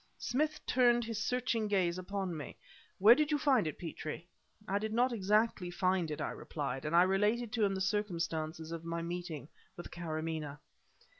Smith turned his searching gaze upon me. "Where did you find it, Petrie?" "I did not exactly find it," I replied; and I related to him the circumstances of my meeting with Karamaneh.